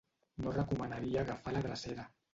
No recomanaria agafar la drecera.